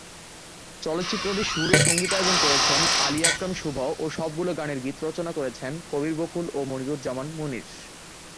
চলচ্চিত্রটির সুর ও সঙ্গীতায়োজন করেছেন আলী আকরাম শুভ ও সবগুলো গানের গীত রচনা করেছেন কবির বকুল ও মনিরুজ্জামান মনির।